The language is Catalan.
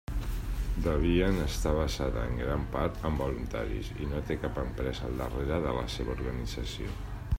Debian està basada, en gran part, en voluntaris, i no té cap empresa al darrere de la seva organització.